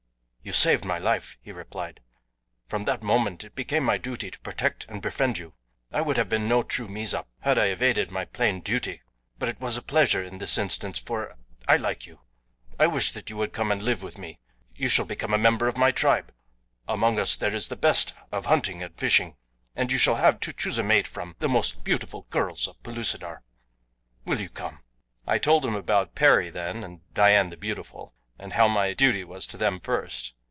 "You saved my life," he replied; "from that moment it became my duty to protect and befriend you. I would have been no true Mezop had I evaded my plain duty; but it was a pleasure in this instance for I like you. I wish that you would come and live with me. You shall become a member of my tribe. Among us there is the best of hunting and fishing, and you shall have, to choose a mate from, the most beautiful girls of Pellucidar. Will you come?" I told him about Perry then, and Dian the Beautiful, and how my duty was to them first.